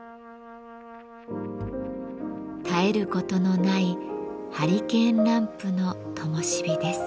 絶えることのないハリケーンランプのともしびです。